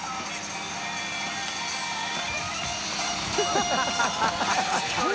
ハハハ